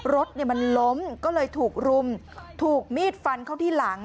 รถมันล้มก็เลยถูกรุมถูกมีดฟันเข้าที่หลัง